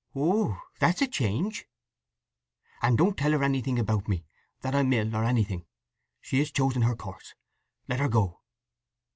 "Oh—that's a change!" "And don't tell her anything about me—that I'm ill, or anything. She has chosen her course. Let her go!"